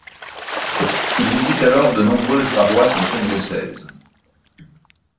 Il visite alors de nombreuses paroisses de son diocèse.